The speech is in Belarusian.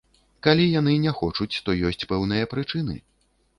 Калі яны не хочуць, то ёсць пэўныя прычыны.